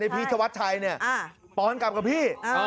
พี่ชวัดชายปลอดกลับกับพี่